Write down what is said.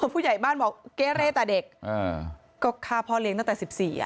ผู้ใหญ่บ้านบอกเก้เร่แต่เด็กก็ฆ่าพ่อเลี้ยงตั้งแต่๑๔อ่ะ